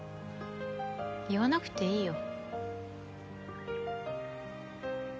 言わなくていいよ。